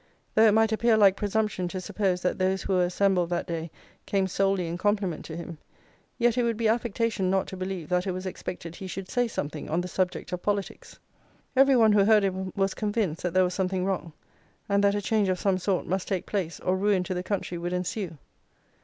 Though it might appear like presumption to suppose that those who were assembled that day came solely in compliment to him, yet it would be affectation not to believe that it was expected he should say something on the subject of politics. Every one who heard him was convinced that there was something wrong, and that a change of some sort must take place, or ruin to the country would ensue.